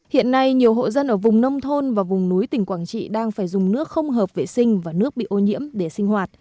hiện nay nhiều hộ dân ở vùng nông thôn và vùng núi tỉnh quảng trị đang phải dùng nước không hợp vệ sinh và nước bị ô nhiễm để sinh hoạt